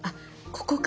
ここか。